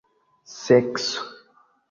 sekso